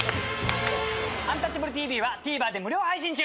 「アンタッチャブるＴＶ」はＴＶｅｒで無料配信中！